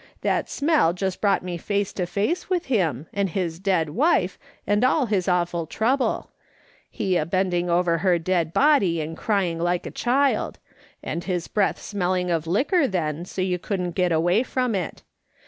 That smell just brought me face to face with him, and his dead wife, and all his awful trouble ; he a bending over her dead body and crying like a child ; and his breath smelling of liquor, then, so you couldn't get away from it.